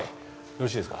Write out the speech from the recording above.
よろしいですか。